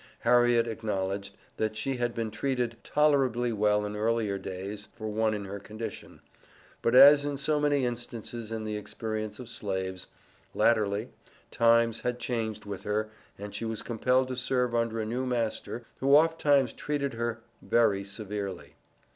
Harriet acknowledged, that she had been treated "tolerably well in earlier days" for one in her condition; but, as in so many instances in the experience of Slaves, latterly, times had changed with her and she was compelled to serve under a new master who oft times treated her "very severely."